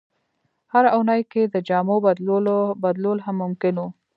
هره اونۍ کې د جامو بدلول هم ممکن وو.